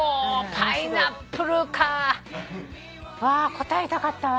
答えたかったわ。